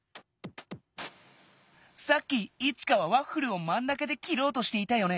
さっきイチカはワッフルをまん中できろうとしていたよね。